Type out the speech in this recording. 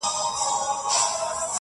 داسي زور نه وو چي نه یې وي منلي!.